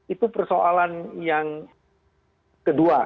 itu persoalan yang kedua